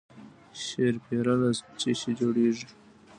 شیرپیره له څه شي جوړیږي؟